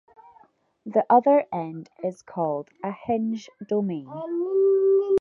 The other end is called a hinge domain.